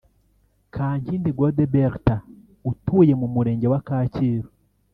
Kankindi Godbertha utuye mu Murenge wa Kacyiru